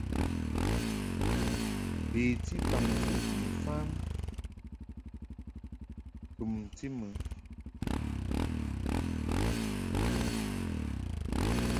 Beti baŋmfəʼ ni mfam ŋkɨmti mɨ.